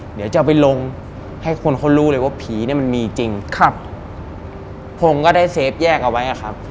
เดี๋ยวจะเอาไปลงให้คนเขารู้เลยว่าผีเนี่ยมันมีจริงครับผมก็ได้เฟฟแยกเอาไว้อะครับ